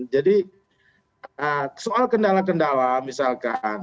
jadi soal kendala kendala misalkan